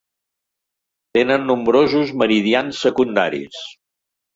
Tenen nombrosos meridians secundaris.